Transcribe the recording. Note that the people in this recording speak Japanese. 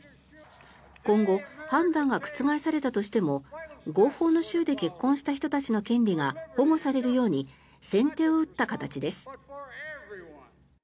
今後、判断が覆されたとしても合法の州で結婚した人たちの権利が保護されるように先手を打った形です。